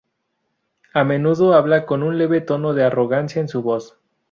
A menudo habla con un leve tono de arrogancia en su voz.